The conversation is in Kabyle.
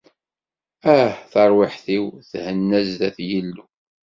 Ah! Tarwiḥt-iw tethenna sdat Yillu.